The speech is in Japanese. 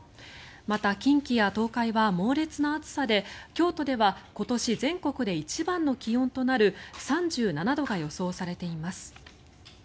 また、近畿や東海は猛烈な暑さで京都では今年全国で一番の気温となる３７度が予想されています。